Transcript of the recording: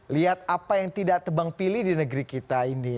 lihat apa yang tidak tebang pilih di negeri kita ini